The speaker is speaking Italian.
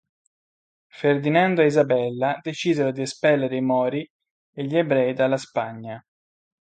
Ferdinando e Isabella decisero di espellere i mori e gli ebrei dalla Spagna.